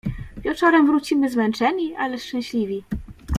"Wieczorem wrócimy zmęczeni ale szczęśliwi."